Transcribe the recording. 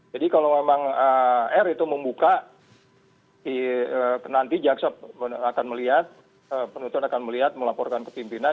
jadi kalau memang r itu membuka nanti jaksop akan melihat penonton akan melihat melaporkan ke pimpinan